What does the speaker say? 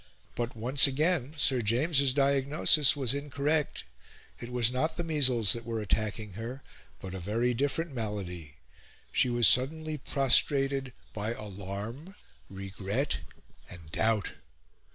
But, once again, Sir James's diagnosis was incorrect. It was not the measles that were attacking her, but a very different malady; she was suddenly prostrated by alarm, regret, and doubt.